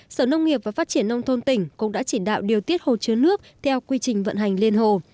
sở nông nghiệp và phát triển nông thôn tỉnh cũng đã chỉ đạo điều tiết hồ chứa nước theo quy trình vận hành liên hồ